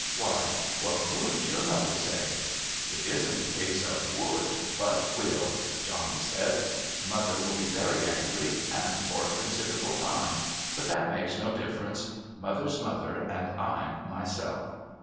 Why, what would your mother say?" "It isn't a case of would but will" Johnny said. "Mother will be very angry and for a considerable time. But that makes no difference. Mother's mother and I'm myself."